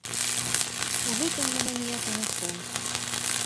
У гэтым няма ніякага сэнсу.